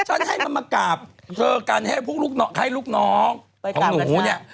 ฉันให้มันมากราบเธอกันให้ลูกน้องของหนูเนี่ย